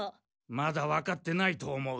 まだわかってないと思う。